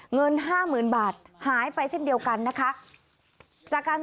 เงิน๕๐๐๐๐บาทหายไปเส้นเดียวกันนะคะ